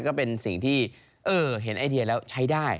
ก็เป็นสิ่งที่เห็นไอเดียแล้วใช้ได้